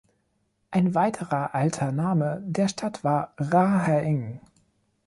Ein weiterer alter Name der Stadt war "Ra-Haeng".